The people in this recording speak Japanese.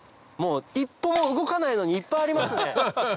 一歩も動かないのにいっぱいありますね。